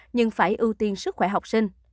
nhưng phải ưu tiên sức khỏe học sinh